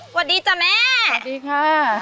สวัสดีจ้ะแม่สวัสดีค่ะ